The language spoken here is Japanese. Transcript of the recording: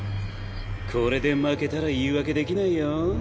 これで負けたら言い訳できないよ。